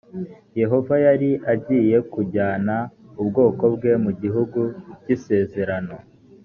yehova yari agiye kujyana ubwoko bwe mu gihugu cy’isezerano